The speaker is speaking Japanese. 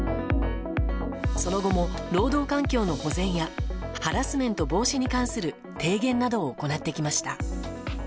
その後も、労働環境の保全やハラスメント防止に関する提言などを行ってきました。